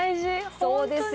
そうですよね。